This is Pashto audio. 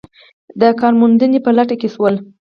د کار موندنې په لټه کې شول.